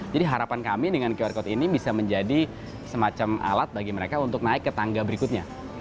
jadi harapan kami dengan qr code ini bisa menjadi semacam alat bagi mereka untuk naik ke tangga berikutnya